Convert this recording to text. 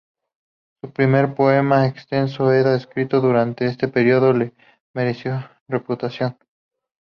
Su primer poema extenso, "Eda", escrito durante este periodo, le mereció reputación.